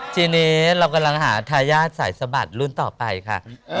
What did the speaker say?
ทีนี้เรากำลังหาทายาทสายสะบัดรุ่นต่อไปค่ะ